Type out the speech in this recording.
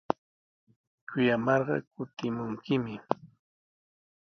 Kuyamarqa kutimunkimi.